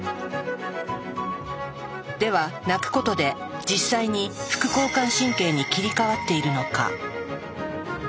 では泣くことで実際に副交感神経に切り替わっているのか？